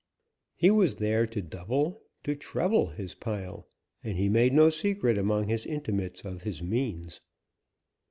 He was there to double to treble his pile, and he made no secret among his intimates of his means.